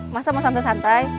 masa mau santai santai